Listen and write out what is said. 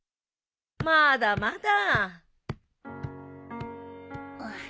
まだまだ。